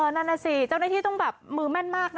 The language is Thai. นั่นน่ะสิเจ้าหน้าที่ต้องแบบมือแม่นมากนะ